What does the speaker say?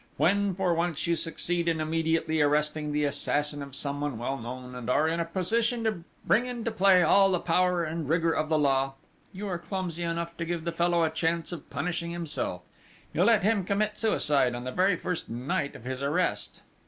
When, for once, you succeed in immediately arresting the assassin of someone well known, and are in a position to bring into play all the power and rigour of the law, you are clumsy enough to give the fellow a chance of punishing himself, you let him commit suicide on the very first night of his arrest!"